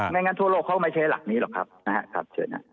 ไม่งั้นทั่วโลกเขาไม่ใช้หลักนี้หรอกครับ